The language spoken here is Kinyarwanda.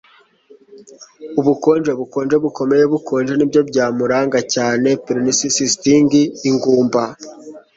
Ubukonje bukonje bukomeye bukonje nibyo byamuranga cyane penuriousness stingy ingumba